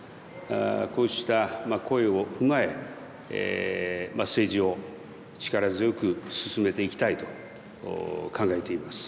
こうした声を踏まえ政治を力強く進めていきたいと考えています。